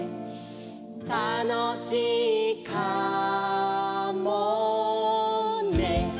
「たのしいかもね」